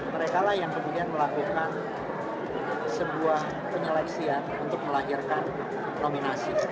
mereka lah yang kemudian melakukan sebuah penyeleksian untuk melahirkan nominasi